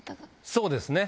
そうですね。